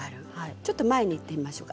ちょっと前にいってみましょうか。